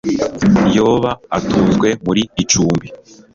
yoba atunzwe muri icumbi